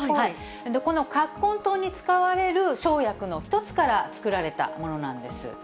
この葛根湯に使われる生薬の一つから作られたものなんです。